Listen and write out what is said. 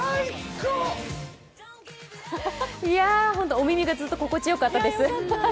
お耳がずっと心地よかったです。